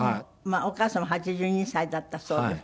お母様８２歳だったそうです。